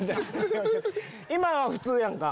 今は普通やんか。